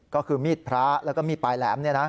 ก็คือมีดพระแล้วก็มีดปลายแหลม